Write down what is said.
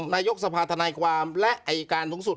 นายกสภาธนายความและอายการสูงสุด